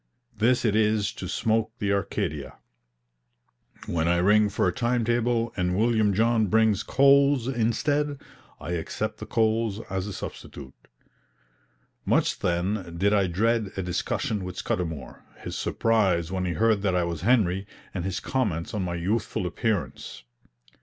This it is to smoke the Arcadia. When I ring for a time table and William John brings coals instead, I accept the coals as a substitute. Much, then, did I dread a discussion with Scudamour, his surprise when he heard that I was Henry, and his comments on my youthful appearance.